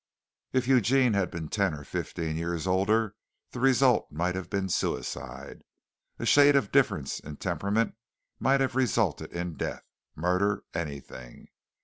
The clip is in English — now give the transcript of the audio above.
If Eugene had been ten or fifteen years older, the result might have been suicide. A shade of difference in temperament might have resulted in death, murder, anything.